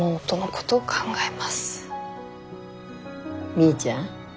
みーちゃん？